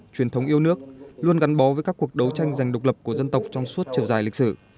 truyền thống yêu nước luôn gắn bó với các cuộc đấu tranh giành độc lập của dân tộc trong suốt chiều dài lịch sử